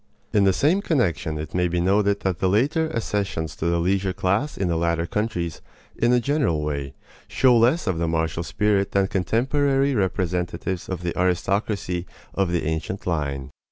In the same connection it may be noted that the later accessions to the leisure class in the latter countries, in a general way, show less of the martial spirit than contemporary representatives of the aristocracy of the ancient line.